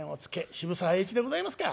渋沢栄一でございますか。